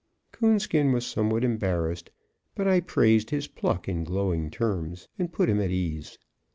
Coonskin was somewhat embarrassed, but I praised his pluck in glowing terms, and put him at ease.